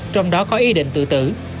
trong đó có ý định tự tử